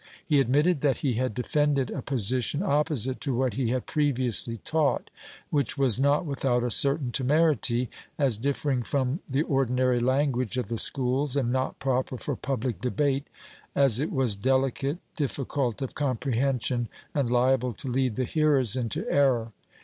He admitted that he had defended a position opposite to what he had previously taught, which was not without a certain temerity, as differing from the ordinary language of the schools, and not proper for public debate, as it was delicate, difficult of comprehension and liable to lead the hearers into error.